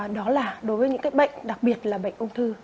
đó là đối với những bệnh đặc biệt là bệnh ung thư